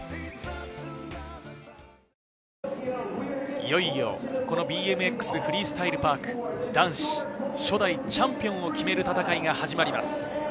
いよいよ、このＢＭＸフリースタイルパーク、男子初代チャンピオンを決める戦いが始まります。